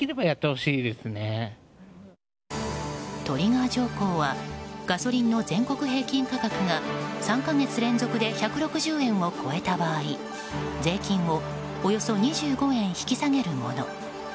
トリガー条項はガソリンの全国平均価格が３か月連続で１６０円を超えた場合税金をおよそ２５円引き下げるもの。